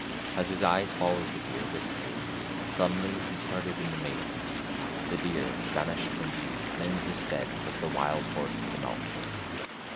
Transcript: As his eyes followed the deer wistfully, suddenly he started in ama/A'ment. The deer vanished from view, and in his stead was the wild horse of the mountains.